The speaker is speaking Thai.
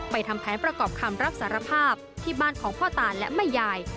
ทำแผนประกอบคำรับสารภาพที่บ้านของพ่อตาและแม่ยาย